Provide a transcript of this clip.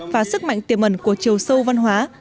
và sức mạnh tiềm ẩn của chiều sâu văn hóa